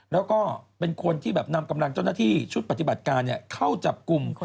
แล้วก็เป็นคนที่แบบนำกำลังเจ้าหน้าที่ชุดปฏิบัติการเข้าจับกลุ่ม